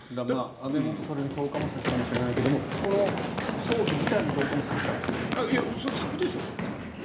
安倍元総理の評価も先かもしれないけどこの葬儀自体の評価も先でしょう、だって。